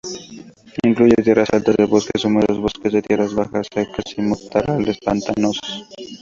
Incluye tierras altas de bosques húmedos, bosques de tierras bajas secas y matorrales pantanosos.